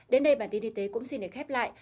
đến đây bản tin y tế cũng xin được khép lại